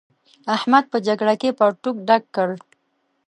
احمد په جګړه کې پرتوګ ډک کړ.